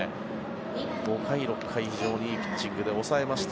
５回、６回非常にいいピッチングで抑えました。